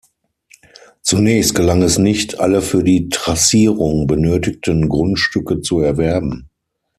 Zunächst gelang es nicht, alle für die Trassierung benötigten Grundstücke zu erwerben.